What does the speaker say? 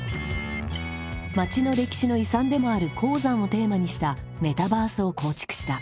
町の歴史の遺産でもある鉱山をテーマにしたメタバースを構築した。